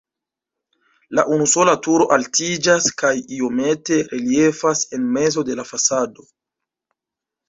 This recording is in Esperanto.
La unusola turo altiĝas kaj iomete reliefas en mezo de la fasado.